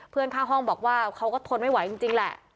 ข้างห้องบอกว่าเขาก็ทนไม่ไหวจริงแหละ